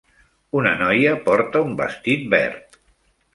Una noia porta un vestit verd.